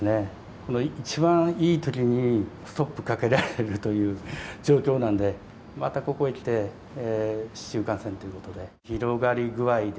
この一番いいときにストップかけられるという状況なんで、またここへきて、市中感染ということで。